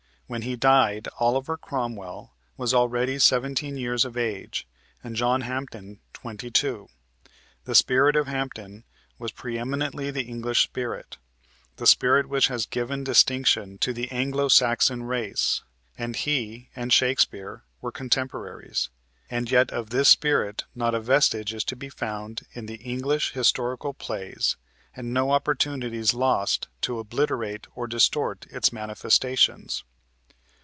When he died, Oliver Cromwell was already seventeen years of age and John Hampden twenty two. The spirit of Hampden was preeminently the English spirit the spirit which has given distinction to the Anglo Saxon race and he and Shakespeare were contemporaries, and yet of this spirit not a vestige is to be found in the English historical plays and no opportunities lost to obliterate or distort its manifestations.